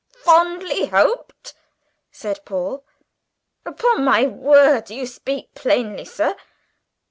"Fondly hoped!" said Paul, "upon my word you speak plainly, sir."